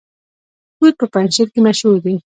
توت په پنجشیر کې مشهور دي